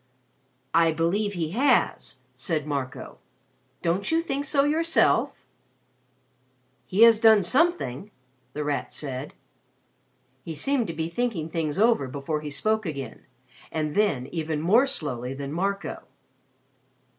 "I believe he has," said Marco. "Don't you think so yourself?" "He has done something," The Rat said. He seemed to be thinking things over before he spoke again and then even more slowly than Marco.